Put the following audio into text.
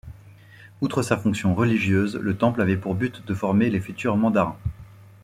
Outre sa fonction religieuse, le temple avait pour but de former les futurs mandarins.